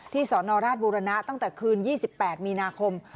สนราชบุรณะตั้งแต่คืน๒๘มีนาคม